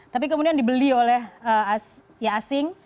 tapi kemudian dibeli oleh asing